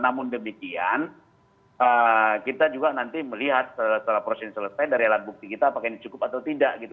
namun demikian kita juga nanti melihat setelah proses ini selesai dari alat bukti kita apakah ini cukup atau tidak gitu